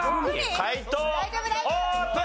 解答オープン！